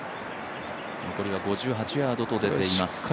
残りは５８ヤードと出ています。